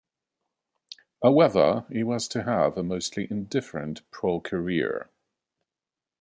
However, he was to have a mostly indifferent pro career.